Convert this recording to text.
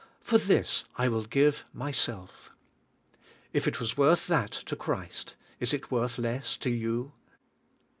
For this I will give myself." If it was worth that to Christ, is it worth less to you?